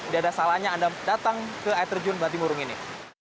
tidak ada salahnya anda datang ke air terjun bantimurung ini